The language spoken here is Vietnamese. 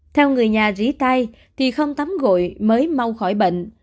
theo người nhà rí tai thì không tắm gội mới mau khỏi bệnh